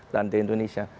dan di indonesia